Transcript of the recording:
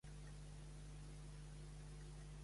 Em dic Enrique Campuzano: ce, a, ema, pe, u, zeta, a, ena, o.